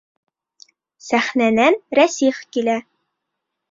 Сәхнәнән Рәсих килә.